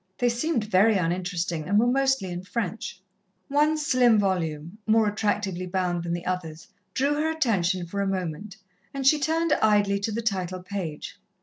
They seemed very uninteresting, and were mostly in French. One slim volume, more attractively bound than the others, drew her attention for a moment, and she turned idly to the title page.